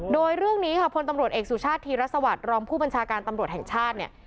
โดยเรื่องนี้ค่ะพลตำรวจเอกสุชาติธีรสวัสดิ์รองผู้บัญชาการตำรวจแห่งชาติเนี่ย